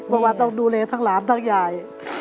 บอกว่าต้องดูเลทักหลานทักยาย